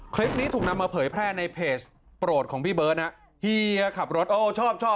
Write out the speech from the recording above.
คลิปนี้ถูกนำมาเผยแพร่ในเพจโปรดของพี่เบิร์ตนะเฮียขับรถโอ้ชอบชอบ